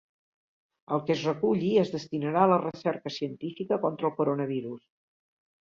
El que es reculli es destinarà a la recerca científica contra el coronavirus.